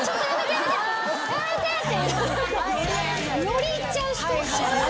よりいっちゃう人。